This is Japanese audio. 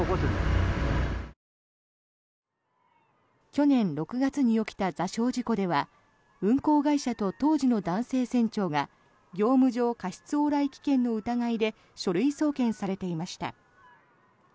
去年６月に起きた座礁事故では運航会社と当時の男性船長が業務上過失往来危険の疑いで書類送検されていました。